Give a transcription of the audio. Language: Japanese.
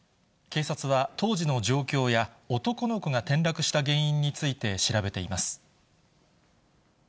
警察は、当時の状況や男の子が転落した原因について、調べています。